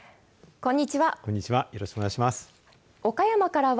こんにちは。